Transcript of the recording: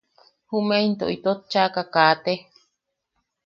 Jumeʼe into itot chaʼaka kaate.